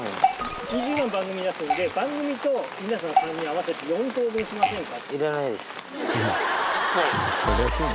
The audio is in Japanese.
２０万番組が出すので番組と皆さん３人合わせて４等分しませんか？